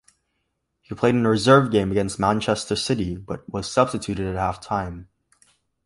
He played in a reserve game against Manchester City but was substituted at half-time.